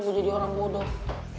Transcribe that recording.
bu jadi orang bodoh